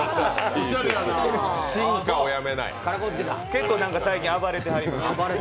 結構、最近暴れてはります。